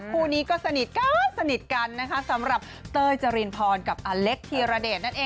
คู่นี้ก็สนิทกันสนิทกันสำหรับเตยจรินพรอเล็กที่ระเด็ด